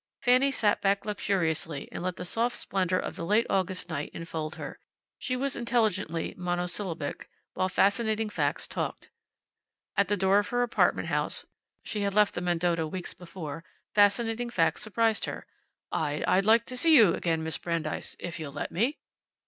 Fanny sat back luxuriously and let the soft splendor of the late August night enfold her. She was intelligently monosyllabic, while Fascinating Facts talked. At the door of her apartment house (she had left the Mendota weeks before) Fascinating Facts surprised her. "I I'd like to see you again, Miss Brandeis. If you'll let me."